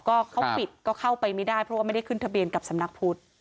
ก็เขาปิดก็เข้าไปไม่ได้เพราะว่าไม่ได้ขึ้นทะเบียนกับสำนักพุทธ